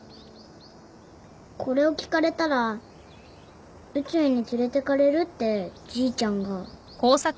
これを聞かれたら宇宙に連れてかれるってじいちゃんが。